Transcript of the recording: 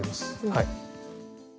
はい。